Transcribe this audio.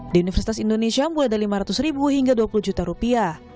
di universitas indonesia mulai dari lima ratus ribu hingga dua puluh juta rupiah